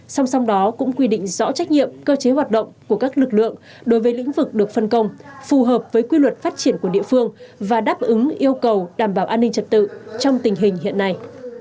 song song đó cũng quy định rõ trách nhiệm cơ chế hoạt động của các lực lượng đối với lĩnh vực được phân công phù hợp với quy luật phát triển của địa phương và đáp ứng yêu cầu đảm bảo an ninh trật tự trong tình hình hiện nay